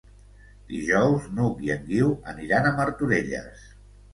Dijous n'Hug i en Guiu aniran a Martorelles.